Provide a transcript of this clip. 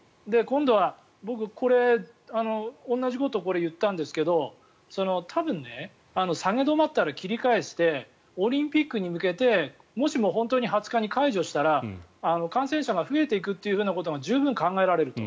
僕、同じことを言ったんだけど多分、下げ止まったら切り返してオリンピックに向けてもしも本当に２０日に解除したら感染者が増えていくということが十分考えられると。